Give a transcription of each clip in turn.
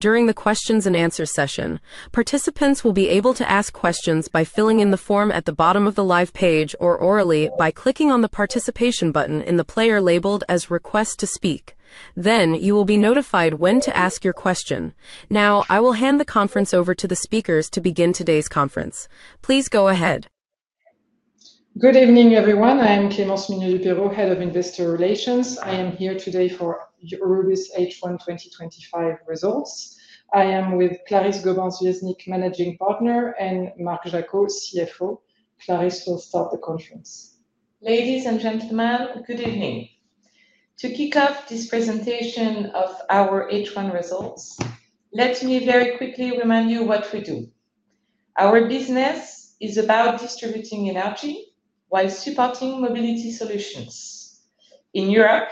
During the questions and answers session, participants will be able to ask questions by filling in the form at the bottom of the live page or orally by clicking on the participation button in the player labeled as "Request to Speak." You will be notified when to ask your question. Now, I will hand the conference over to the speakers to begin today's conference. Please go ahead. Good evening, everyone. I am Clémence Munier-Duperrot, Head of Investor Relations. I am here today for the Rubis H1 2025 results. I am with Clarisse Gobin-Swiecznik, Managing Partner, and Marc Jacquot, CFO. Clarisse, please start the conference. Ladies and gentlemen, good evening. To kick off this presentation of our H1 results, let me very quickly remind you what we do. Our business is about distributing energy while supporting mobility solutions. In Europe,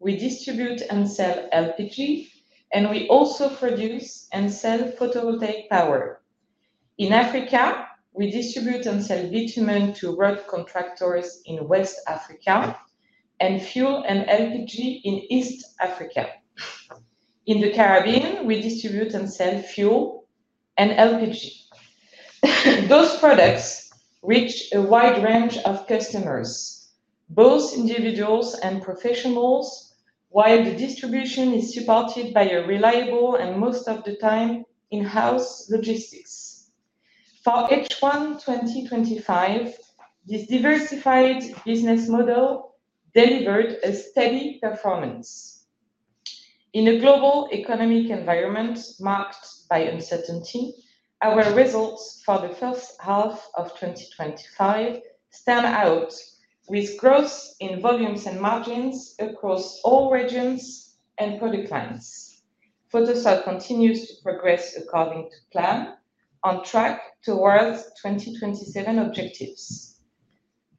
we distribute and sell LPG, and we also produce and sell photovoltaic power. In Africa, we distribute and sell bitumen to road contractors in West Africa and fuel and LPG in East Africa. In the Caribbean, we distribute and sell fuel and LPG. Those products reach a wide range of customers, both individuals and professionals, while the distribution is supported by a reliable and most of the time in-house logistics. For H1 2025, this diversified business model delivered a steady performance. In a global economic environment marked by uncertainty, our results for the first half of 2025 stand out with growth in volumes and margins across all regions and product lines. Photosol continues to progress according to plan, on track towards 2027 objectives.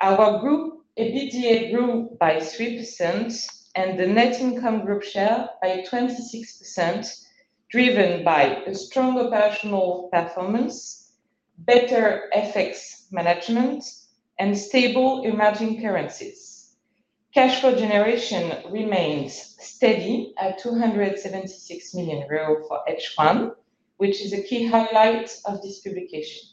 Our group EBITDA grew by 3% and the net income group share by 26%, driven by a strong operational performance, better FX risk management, and stable emerging market currencies. Cash flow generation remains steady at €276 million per H1, which is a key highlight of this publication.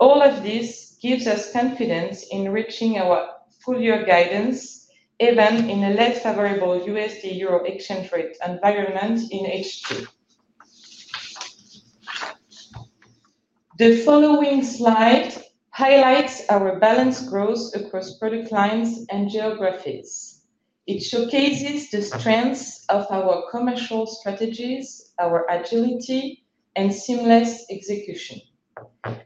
All of this gives us confidence in reaching our full-year guidance, even in a less favorable USD-euro exchange rate environment in H2. The following slide highlights our balanced growth across product lines and geographies. It showcases the strengths of our commercial strategies, our agility, and seamless execution.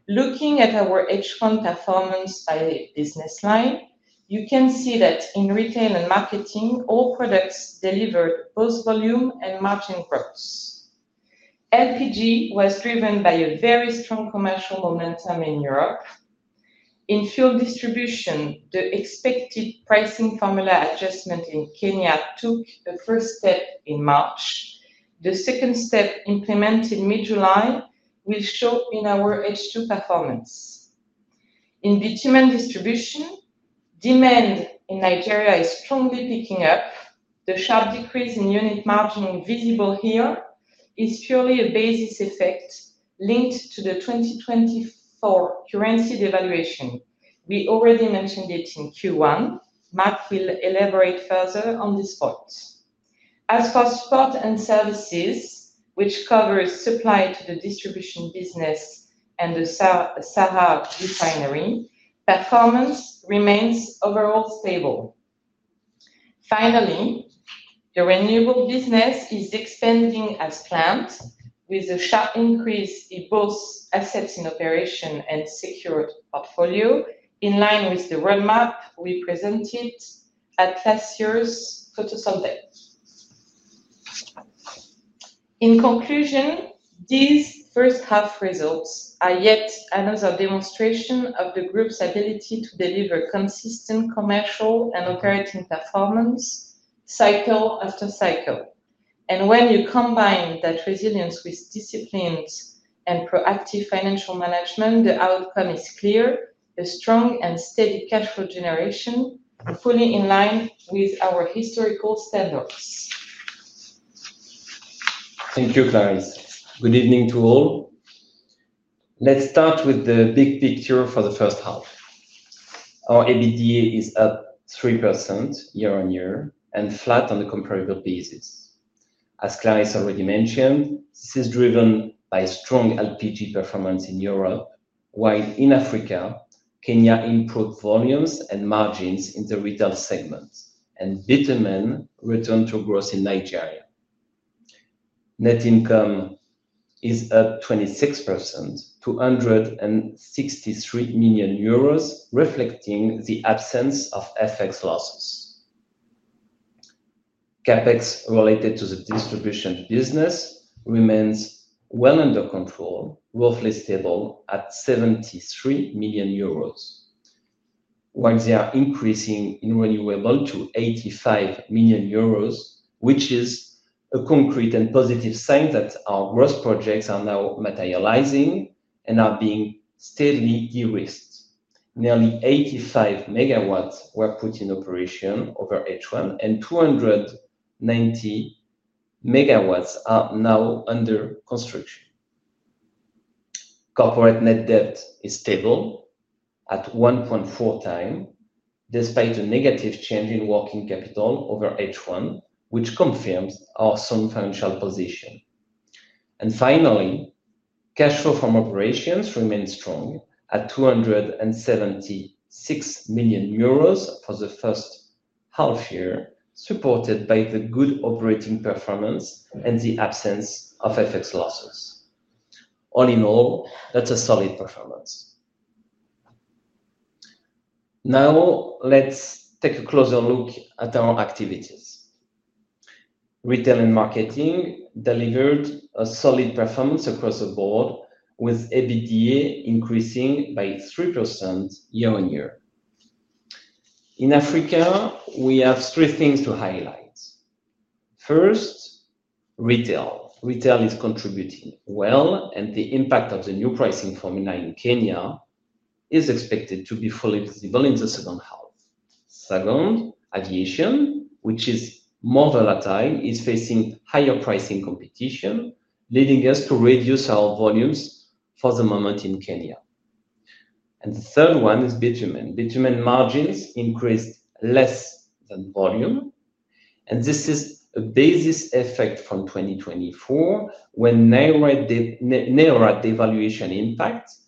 Looking at our H1 performance by business line, you can see that in retail and marketing, all products delivered both volume and margin growth. LPG was driven by a very strong commercial momentum in Europe. In fuel distribution, the expected pricing formula adjustment in Kenya took a first step in March. The second step implemented mid-July will show in our H2 performance. In bitumen distribution, demand in Nigeria is strongly picking up. The sharp decrease in unit margin visible here is purely a basis effect linked to the 2024 currency devaluation. We already mentioned it in Q1. Marc will elaborate further on this point. As for support and services, which cover supply to the distribution business and the SARA refinery, performance remains overall stable. Finally, the renewables business is expanding as planned, with a sharp increase in both assets in operation and secured portfolio, in line with the roadmap we presented at last year's Photosol Day. In conclusion, these first-half results are yet another demonstration of the group's ability to deliver consistent commercial and operating performance, cycle after cycle. When you combine that resilience with disciplined and proactive financial management, the outcome is clear: a strong and steady cash flow generation fully in line with our historical standards. Thank you, Clarisse. Good evening to all. Let's start with the big picture for the first half. Our EBITDA is up 3% year on year and flat on a comparable basis. As Clarisse already mentioned, this is driven by strong LPG performance in Europe, while in Africa, Kenya import volumes and margins in the retail segment, and bitumen returned to growth in Nigeria. Net income is up 26% to €163 million, reflecting the absence of FX losses. CapEx related to the distribution business remains well under control, roughly stable at €73 million, while they are increasing in renewables to €85 million, which is a concrete and positive sign that our growth projects are now materializing and are being steadily derisked. Nearly 85 MW were put in operation over H1, and 290 MW are now under construction. Corporate net debt is stable at 1.4 times, despite a negative change in working capital over H1, which confirms our strong financial position. Finally, cash flow from operations remains strong at €276 million for the first half year, supported by the good operating performance and the absence of FX losses. All in all, that's a solid performance. Now, let's take a closer look at our activities. Retail and marketing delivered a solid performance across the board, with EBITDA increasing by 3% year on year. In Africa, we have three things to highlight. First, retail. Retail is contributing well, and the impact of the new pricing formula in Kenya is expected to be fully visible in the second half. Second, aviation, which is more volatile, is facing higher pricing competition, leading us to reduce our volumes for the moment in Kenya. The third one is bitumen. Bitumen margins increased less than volume, and this is a basis effect from 2024, when narrower devaluation impacts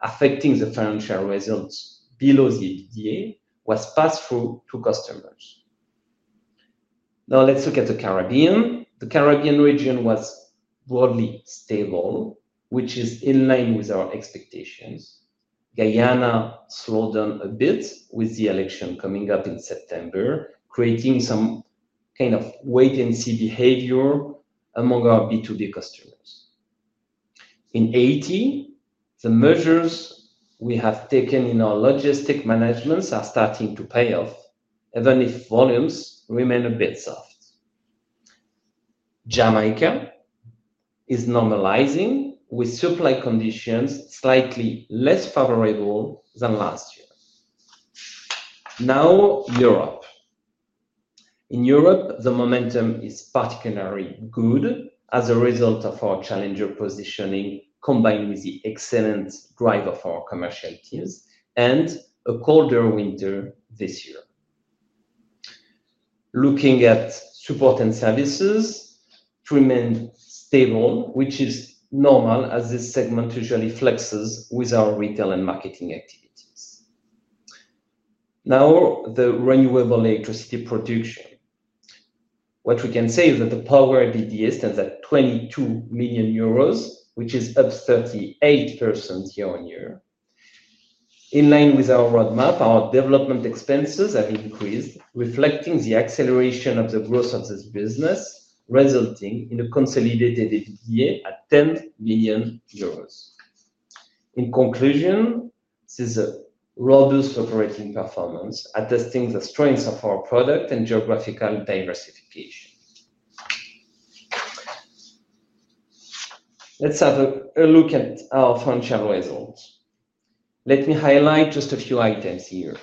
affecting the financial results below the EBITDA was passed through to customers. Now, let's look at the Caribbean. The Caribbean region was broadly stable, which is in line with our expectations. Guyana slowed down a bit with the election coming up in September, creating some kind of wait-and-see behavior among our B2B customers. In Haiti, the measures we have taken in our logistic management are starting to pay off, even if volumes remain a bit soft. Jamaica is normalizing, with supply conditions slightly less favorable than last year. Now, Europe. In Europe, the momentum is particularly good as a result of our challenger positioning, combined with the excellent drive of our commercial teams and a colder winter this year. Looking at support and services, it remains stable, which is normal as this segment usually flexes with our retail and marketing activities. Now, the renewable electricity production. What we can say is that the power EBITDA stands at €22 million, which is up 38% year on year. In line with our roadmap, our development expenses have increased, reflecting the acceleration of the growth of this business, resulting in a consolidated EBITDA at €10 million. In conclusion, this is a robust operating performance, attesting to the strengths of our product and geographical diversification. Let's have a look at our financial results. Let me highlight just a few items here.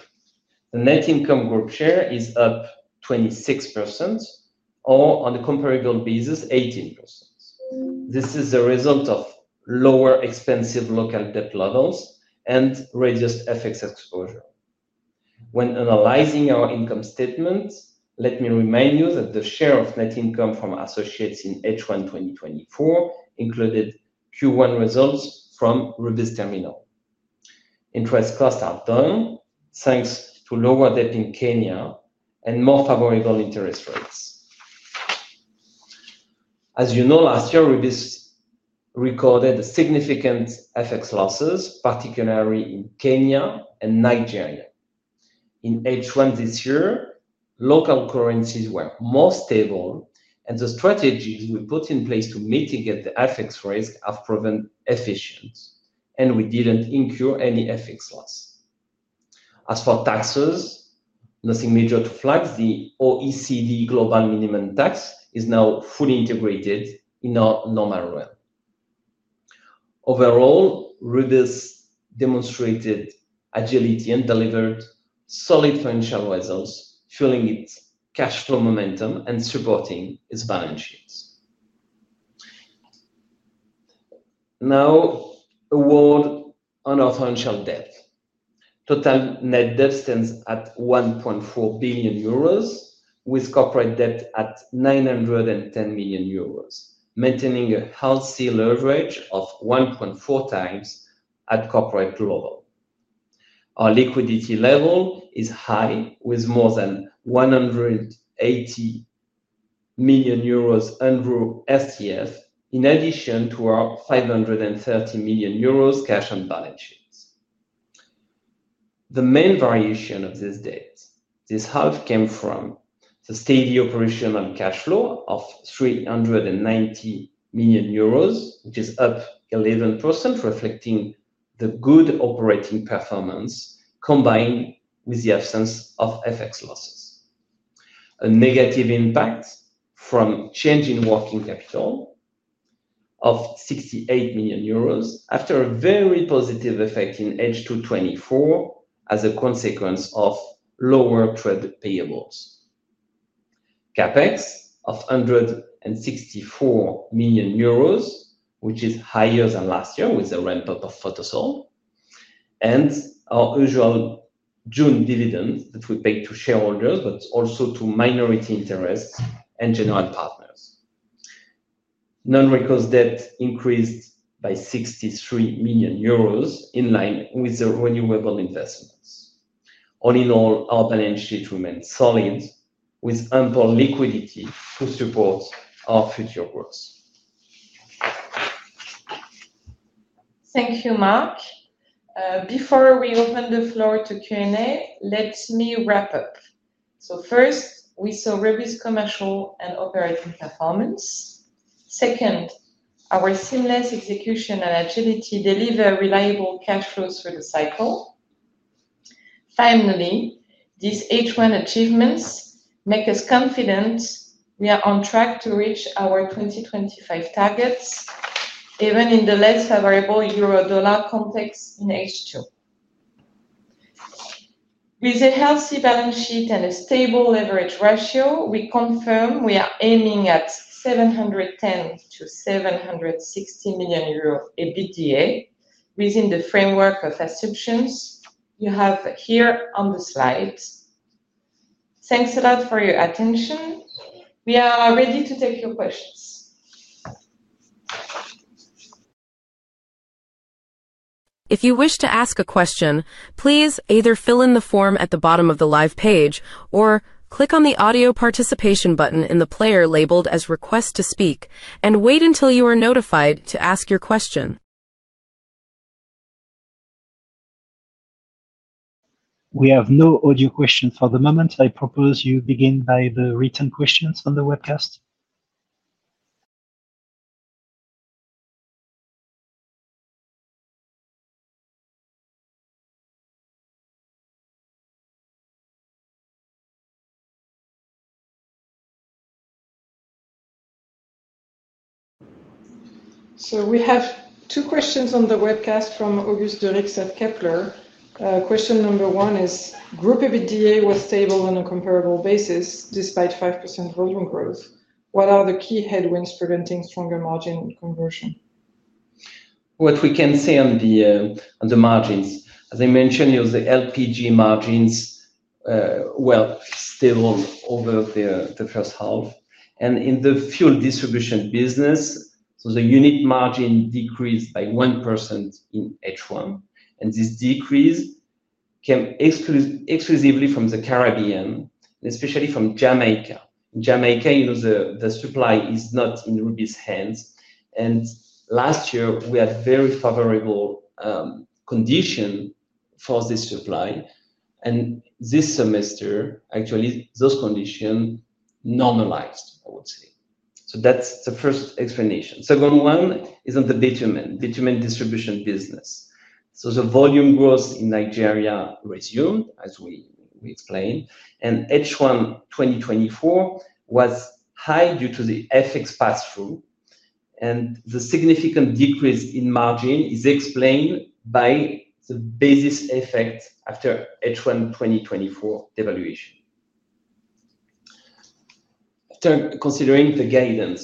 The net income group share is up 26%, or on a comparable basis, 18%. This is a result of lower expensive local debt levels and reduced FX exposure. When analyzing our income statement, let me remind you that the share of net income from associates in H1 2024 included Q1 results from Rubis Terminal. Interest costs are down, thanks to lower debt in Kenya and more favorable interest rates. As you know, last year, Rubis recorded significant FX losses, particularly in Kenya and Nigeria. In H1 this year, local currencies were more stable, and the strategies we put in place to mitigate the FX risk have proven efficient, and we didn't incur any FX loss. As for taxes, nothing major to flag. The OECD global minimum tax is now fully integrated in our normal run. Overall, Rubis demonstrated agility and delivered solid financial results, fueling its cash flow momentum and supporting its balance sheets. Now, a word on our financial debt. Total net debt stands at €1.4 billion, with corporate debt at €910 million, maintaining a healthy leverage of 1.4 times at corporate level. Our liquidity level is high, with more than €180 million under SEF, in addition to our €530 million cash on balance sheets. The main variation of this debt, this half, came from the steady operational cash flow of €390 million, which is up 11%, reflecting the good operating performance combined with the absence of FX losses. A negative impact from change in working capital of €68 million, after a very positive effect in H2 2024 as a consequence of lower trade payables. CapEx of €164 million, which is higher than last year with the ramp-up of Photosol. Our usual June dividend that we paid to shareholders, but also to minority interests and general partners. Non-recourse debt increased by €63 million, in line with the renewable investments. All in all, our balance sheet remains solid, with ample liquidity to support our future growth. Thank you, Marc. Before we open the floor to Q&A, let me wrap up. First, we saw Rubis commercial and operating performance. Second, our seamless execution and agility deliver reliable cash flows through the cycle. Finally, these H1 achievements make us confident we are on track to reach our 2025 targets, even in the less favorable euro/USD context in H2. With a healthy balance sheet and a stable leverage ratio, we confirm we are aiming at €710 to €760 million EBITDA within the framework of assumptions you have here on the slide. Thanks a lot for your attention. We are ready to take your questions. If you wish to ask a question, please either fill in the form at the bottom of the live page or click on the audio participation button in the player labeled as "Request to Speak" and wait until you are notified to ask your question. We have no audio questions for the moment. I propose you begin by the written questions on the webcast. We have two questions on the webcast from Auguste de Rixat-Keppler. Question number one is, group EBITDA was stable on a comparable basis despite 5% volume growth. What are the key headwinds preventing stronger margin conversion? What we can say on the margins, as I mentioned, you have the LPG margins were still over the first half. In the fuel distribution business, the unit margin decreased by 1% in H1. This decrease came exclusively from the Caribbean, especially from Jamaica. In Jamaica, you know the supply is not in Rubis' hands. Last year, we had very favorable conditions for this supply. This semester, actually, those conditions normalized, I would say. That's the first explanation. The second one is on the bitumen distribution business. The volume growth in Nigeria resumed, as we explained. H1 2024 was high due to the FX pass-through. The significant decrease in margin is explained by the basis effect after H1 2024 devaluation. After considering the guidance.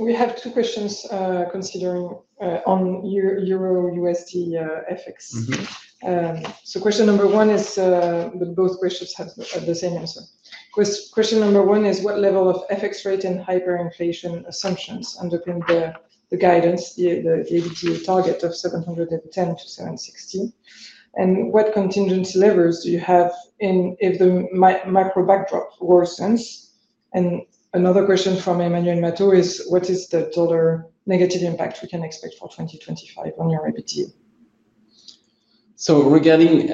We have two questions considering euro/USD FX. Question number one is, but both questions have the same answer. Question number one is, what level of FX rate and hyperinflation assumptions underpin the guidance, the EBITDA target of €710 to €760? What contingency levers do you have if the macro backdrop worsens? Another question from Emmanuel Matteau is, what is the dollar negative impact we can expect for 2025 on your EBITDA? Regarding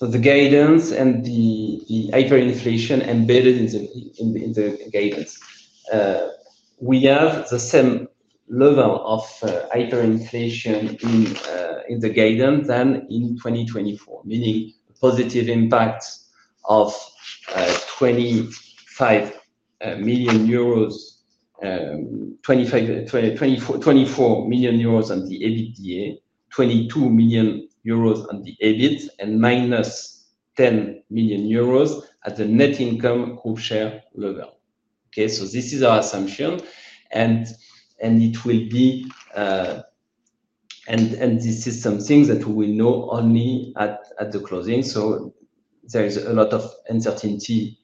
the guidance and the hyperinflation embedded in the guidance, we have the same level of hyperinflation in the guidance as in 2024, meaning positive impacts of €25 million on the EBITDA, €22 million on the EBIT, and minus €10 million at the net income group share level. This is our assumption, and this is something that we will know only at the closing. There is a lot of uncertainty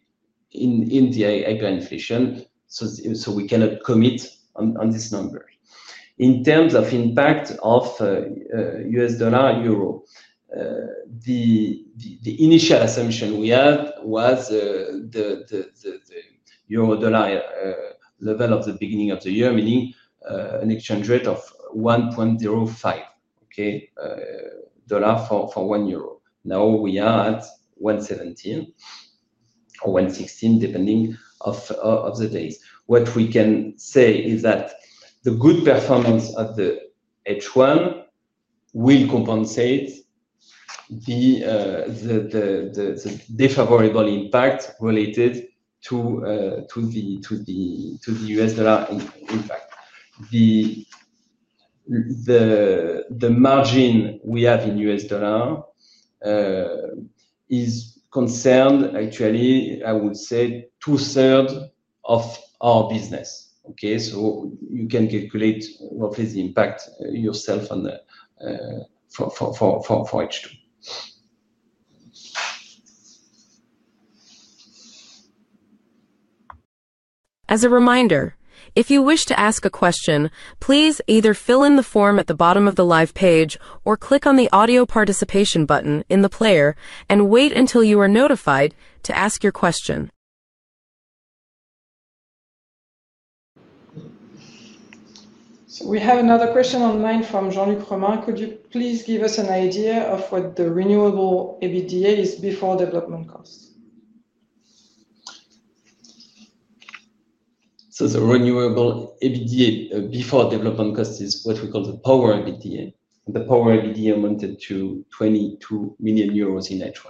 in the hyperinflation, so we cannot commit on this number. In terms of impact of U.S. dollar euro, the initial assumption we had was the euro/dollar level at the beginning of the year, meaning an exchange rate of $1.05 for one euro. Now we are at $1.17 or $1.16, depending on the days. What we can say is that the good performance at the H1 will compensate the favorable impact related to the U.S. dollar impact. The margin we have in U.S. dollar is concerned, actually, I would say, two-thirds of our business. You can calculate what is the impact yourself for H2. As a reminder, if you wish to ask a question, please either fill in the form at the bottom of the live page, or click on the audio participation button in the player and wait until you are notified to ask your question. We have another question online from Jean-Luc Romain: Could you please give us an idea of what the renewables EBITDA is before development costs? The renewable EBITDA before development costs is what we call the power EBITDA. The power EBITDA amounted to €22 million in H1.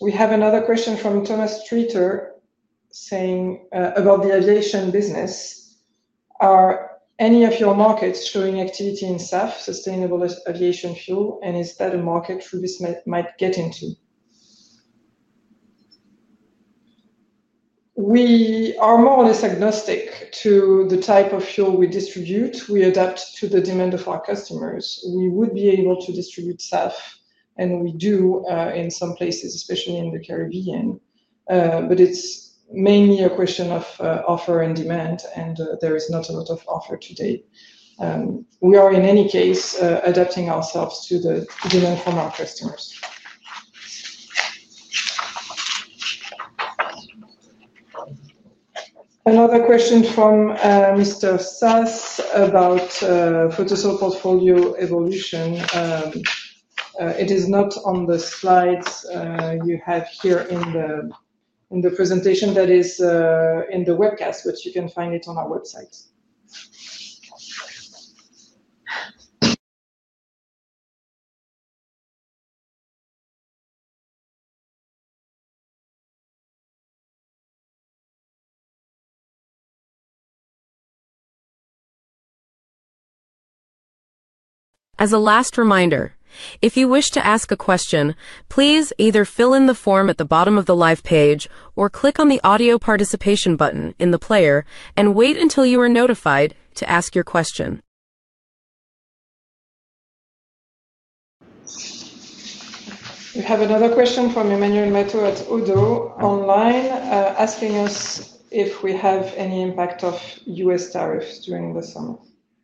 We have another question from Thomas Tritter saying about the aviation business: are any of your markets showing activity in SAF, sustainable aviation fuel, and is that a market Rubis might get into? We are more or less agnostic to the type of fuel we distribute. We adapt to the demand of our customers. We would be able to distribute SAF, and we do in some places, especially in the Caribbean. It is mainly a question of offer and demand, and there is not a lot of offer today. We are, in any case, adapting ourselves to the demand from our customers. Another question from Mr. Sass about Photosol portfolio evolution. It is not on the slides you have here in the presentation, that is in the webcast, but you can find it on our website. As a last reminder, if you wish to ask a question, please either fill in the form at the bottom of the live page, or click on the audio participation button in the player and wait until you are notified to ask your question. We have another question from Emmanuel Matteau at Odoo Online, asking us if we have any impact of U.S. tariffs during the summer.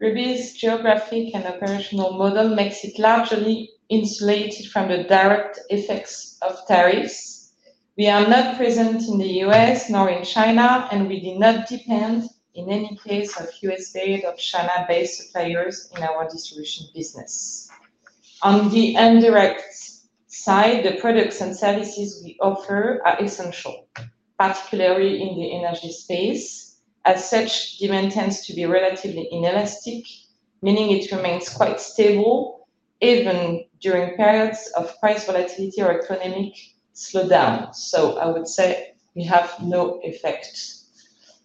Rubis' geographic and operational model makes it largely insulated from the direct effects of tariffs. We are not present in the U.S., nor in China, and we do not depend in any case on U.S. or China-based players in our distribution business. On the indirect side, the products and services we offer are essential, particularly in the energy space. As such, demand tends to be relatively inelastic, meaning it remains quite stable even during periods of price volatility or economic slowdown. I would say we have no effect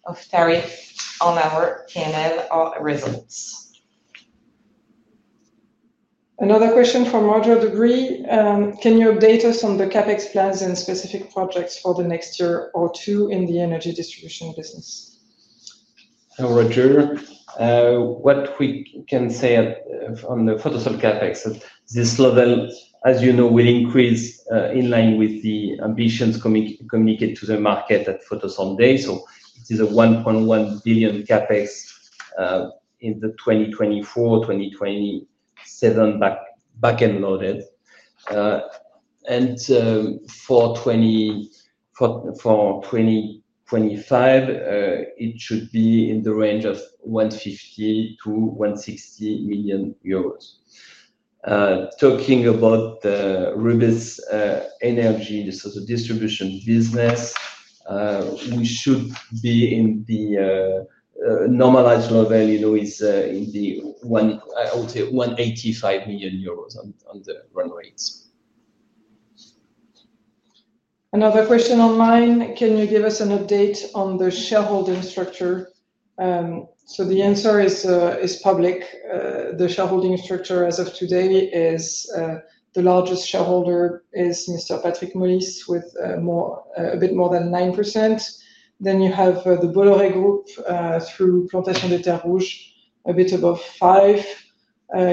of tariff on our P&L or results. Another question from Roger Degree: can you update us on the CapEx plans and specific projects for the next year or two in the energy distribution business? Roger, what we can say on the Photosol CapEx is that this level, as you know, will increase in line with the ambitions communicated to the market at Photosol Day. It is a €1.1 billion CapEx in the 2024-2027 backend loaded. For 2025, it should be in the range of €150 to €160 million. Talking about the Rubis Énergie, the sort of distribution business, we should be in the normalized revenue is in the one, I would say, €185 million on the run rate. Another question online: can you give us an update on the shareholding structure? The answer is public. The shareholding structure as of today is the largest shareholder is Mr. Patrick Molle, with a bit more than 9%. You have the Bolloré Group through Plantation des Terres Rouges, a bit above 5%.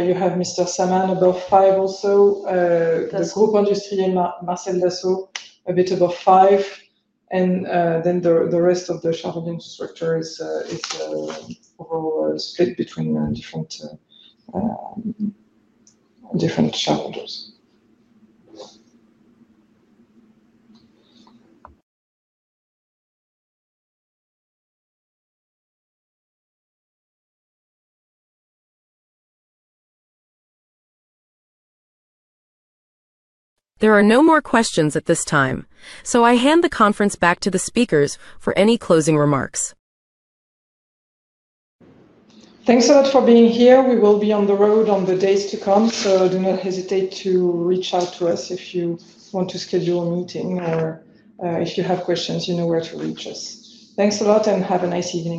You have Mr. Saman above 5% also, the Groupe Industriel Marcel Dassault, a bit above 5%. The rest of the shareholding structure is split between different shareholders. There are no more questions at this time. I hand the conference back to the speakers for any closing remarks. Thanks a lot for being here. We will be on the road in the days to come. Do not hesitate to reach out to us if you want to schedule a meeting or if you have questions, you know where to reach us. Thanks a lot and have a nice evening.